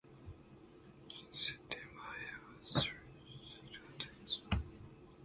In September, it was deregistered at its own request.